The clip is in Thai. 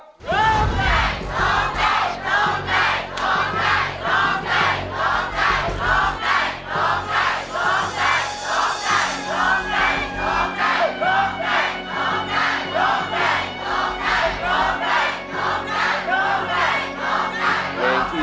โลกใจโลกใจโลกใจโลกใจโลกใจ